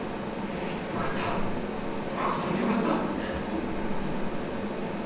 よかったまことによかった！